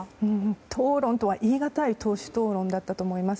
討論とは言いがたい党首討論だったと思います。